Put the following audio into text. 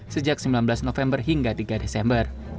sejak sembilan belas november hingga tiga desember